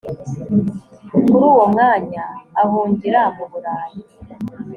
kuri uwo mwanya ahungira mu burayi